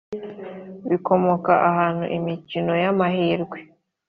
bikomoka ahantu h imikino y amahirwe